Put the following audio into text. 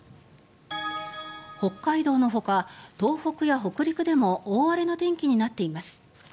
北海道のほか東北や北陸でも大荒れの天気になっています。